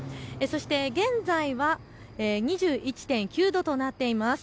現在は２１．９度となっています。